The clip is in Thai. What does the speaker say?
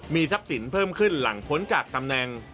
มีทรัพย์สินเพิ่มขึ้นหลังพ้นจากตำแหน่ง